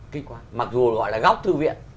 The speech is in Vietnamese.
kích quá mặc dù gọi là góc thư viện